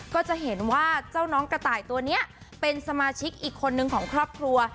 ก็จะเห็นว่าเจ้าน้องกระต่ายตัวนี้เป็นสมาชิกอีกคนนึงของครอบครัว